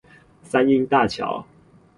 三鶯大橋